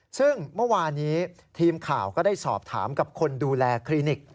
ซึ่งเมื่อวานี้ทีมข่าวก็ได้สอบถามกับคนดูแลคลินิก